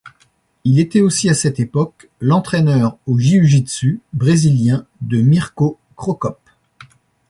Il était aussi à cette époque, l'entraîneur en Jiu-jitsu brésilien de Mirko Crocop.